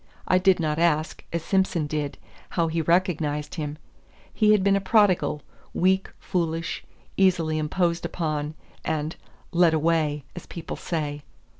I did not ask, as Simson did, how he recognized him. He had been a prodigal, weak, foolish, easily imposed upon, and "led away," as people say.